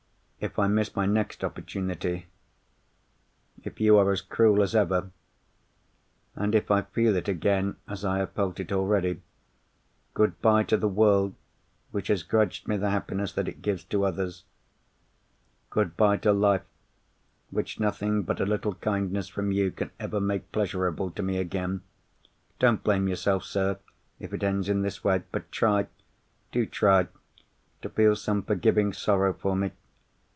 If I miss my next opportunity—if you are as cruel as ever, and if I feel it again as I have felt it already—good bye to the world which has grudged me the happiness that it gives to others. Good bye to life, which nothing but a little kindness from you can ever make pleasurable to me again. Don't blame yourself, sir, if it ends in this way. But try—do try—to feel some forgiving sorrow for me!